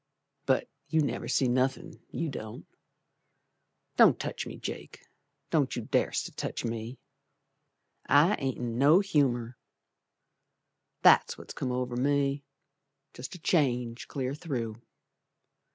But you never see nothin', you don't. Don't touch me, Jake, Don't you dars't to touch me, I ain't in no humour. That's what's come over me; Jest a change clear through.